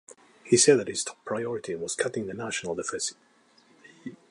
He said that his top priority was cutting the national deficit.